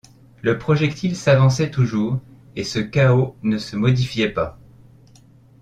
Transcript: Le projectile s’avançait toujours, et ce chaos ne se modifiait pas.